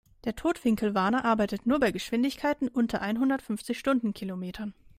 Der Totwinkelwarner arbeitet nur bei Geschwindigkeiten unter einhundertfünfzig Stundenkilometern.